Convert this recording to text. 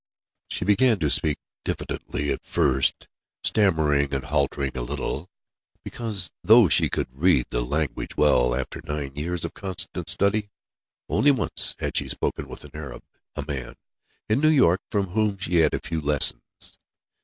She began to speak diffidently at first, stammering and halting a little, because, though she could read the language well after nine years of constant study, only once had she spoken with an Arab; a man in New York from whom she had had a few lessons.